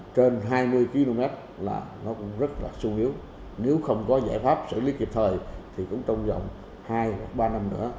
trên hai mươi km là nó cũng rất là sung yếu nếu không có giải pháp xử lý kịp thời thì cũng trong vòng hai hoặc ba năm nữa